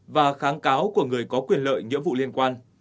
và kháng cáo của người có quyền lợi nghĩa vụ liên quan